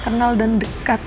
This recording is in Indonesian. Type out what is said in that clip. kenal dan dekat